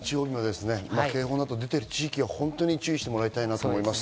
警報などが出ている地域は本当に注意してもらいたいと思います。